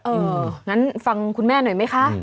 งั้นฟังคุณแม่หน่อยไหมคะ